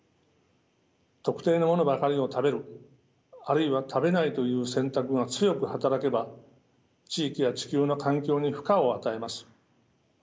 特定のものばかりを食べるあるいは食べないという選択が強く働けば地域や地球の環境に負荷を与えます。